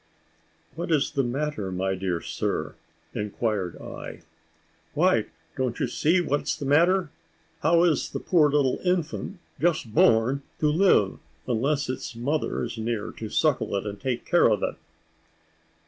"What is the matter, my dear sir?" inquired I. "Why, don't you see what is the matter? How is a poor little infant, just born, to live, unless its mother is near to suckle it, and take care of it?"